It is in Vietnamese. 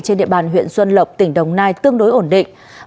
trên địa bàn huyện xuân lộc tỉnh đồng nai tương đối ổn định